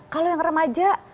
kalau yang remaja